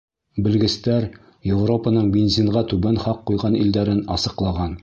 Белгестәр Европаның бензинға түбән хаҡ ҡуйған илдәрен асыҡлаған.